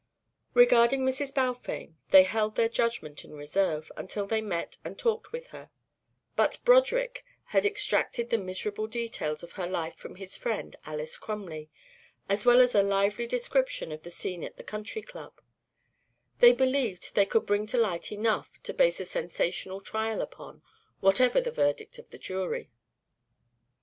Regarding Mrs. Balfame they held their judgment in reserve until they met and talked with her; but Broderick had extracted the miserable details of her life from his friend, Alys Crumley, as well as a lively description of the scene at the Country Club; they believed they could bring to light enough to base a sensational trial upon, whatever the verdict of the jury.